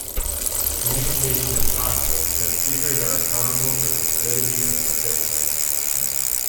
Communication is possible because speakers are accountable for the validity of what they say.